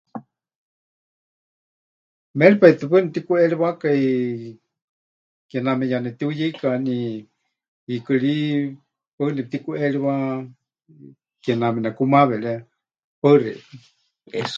Méripai paɨ nepɨtikuʼeriwákai, kename ya netiuyeikani, hiikɨ ri paɨ nepɨtikuʼeriwa, kename nekumaaweré paɨ xeikɨ́a,(¡eso!).